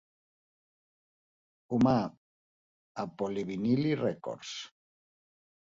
Humà a Polyvinyl Records.